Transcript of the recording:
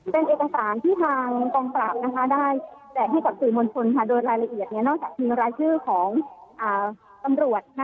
เป็นเอกสารที่ทางกองปราบได้แจกให้กับสื่อมวลชนโดยรายละเอียดนอกจากมีรายชื่อของตำรวจ